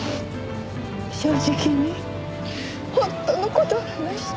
正直に本当の事を話して。